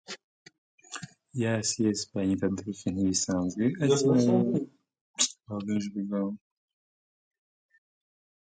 The two Muslim rulers captured Araima and imprisoned Bertrand and his family.